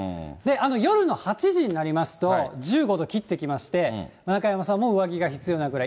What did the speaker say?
夜の８時になりますと、１５度切ってきまして、中山さんも上着が必要なぐらい。